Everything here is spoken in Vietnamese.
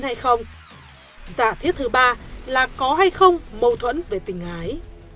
hay không giả thiết thứ ba là có hay không mâu thuẫn về tình hái